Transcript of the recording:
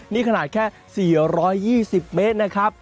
นี่ขนาดแค่๔๒๐เมตรนะครับ